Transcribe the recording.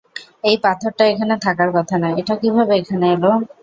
এই পাথরটা এখানে থাকার কথা না, এটা কীভাবে এখানে এলো?